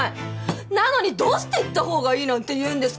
なのにどうして行ったほうがいいなんて言うんですか！？